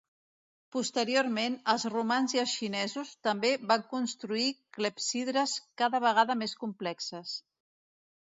Posteriorment, els romans i els xinesos també van construir clepsidres cada vegada més complexes.